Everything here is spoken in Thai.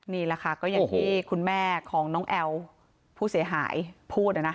นี่แหละค่ะก็อย่างที่คุณแม่ของน้องแอลผู้เสียหายพูด